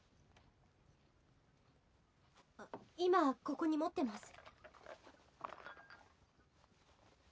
今ここに持ってます